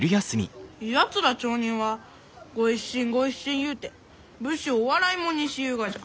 やつら町人は「ご一新ご一新」言うて武士を笑い者にしゆうがじゃ。